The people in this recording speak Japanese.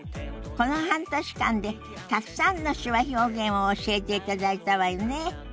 この半年間でたくさんの手話表現を教えていただいたわよね。